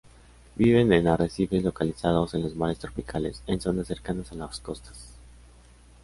Viven en arrecifes localizados en los mares tropicales, en zonas cercanas a las costas.